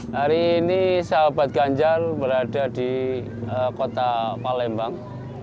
hari ini sahabat ganjar berada di kota palembang